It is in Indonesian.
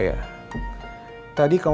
sakti bukan kamu